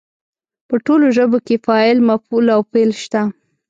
په ټولو ژبو کې فاعل، مفعول او فعل شته.